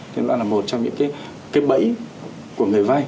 nhưng nó là một trong những cái bẫy của người vay